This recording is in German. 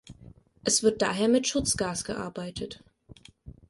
Es wird daher mit Schutzgas gearbeitet.